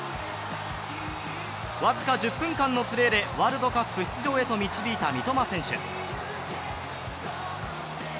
僅か１０分間のプレーでワールドカップ出場へと導いた三笘選手。